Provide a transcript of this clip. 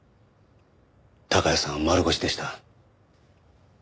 孝也さんは丸腰でした。